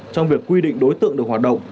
trong việc quy định đối tượng được hoạt động